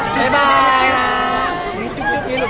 โอเคเอาข้างหลังก็ดู